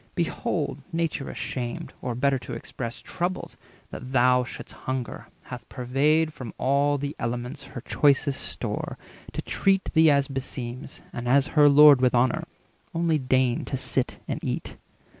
Behold, Nature ashamed, or, better to express, Troubled, that thou shouldst hunger, hath purveyed From all the elements her choicest store, To treat thee as beseems, and as her Lord With honour. Only deign to sit and eat."